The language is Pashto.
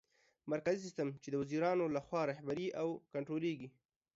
مرکزي سیستم : چي د وزیرانو لخوا رهبري او کنټرولېږي